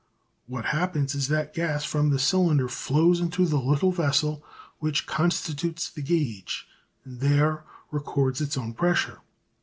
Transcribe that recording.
What happens is that gas from the cylinder flows into the little vessel which constitutes the gauge and there records its own pressure.